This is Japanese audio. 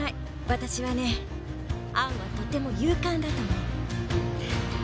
私はねアンはとても勇敢だと思う。